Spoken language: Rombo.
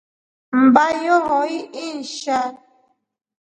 Mmba yohoi inshaa.